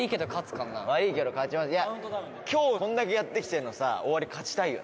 今日こんだけやってきてのさ終わり勝ちたいよな。